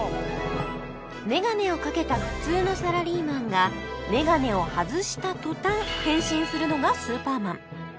メガネをかけた普通のサラリーマンがメガネを外した途端変身するのがスーパーマン